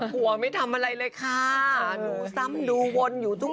ก็มาเลยนะคุณผู้ชม